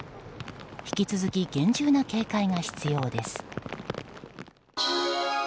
引き続き厳重な警戒が必要です。